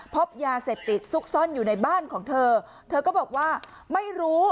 พบยาเสพติดซุกซ่อนอยู่ในบ้านของเธอเธอก็บอกว่าไม่รู้